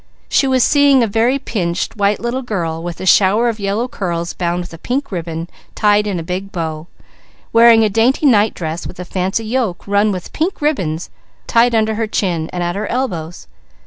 She was seeing a very pinched, white little girl, with a shower of yellow curls bound with a pink ribbon tied in a big bow; wearing a dainty night dress with a fancy yoke run with pink ribbons tied under her chin and at her elbows.